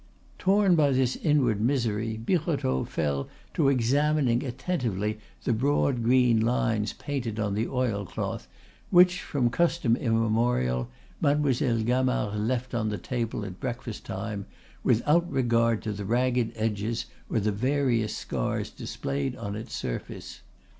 Torn by this inward misery, Birotteau fell to examining attentively the broad green lines painted on the oilcloth which, from custom immemorial, Mademoiselle Gamard left on the table at breakfast time, without regard to the ragged edges or the various scars displayed on its surface.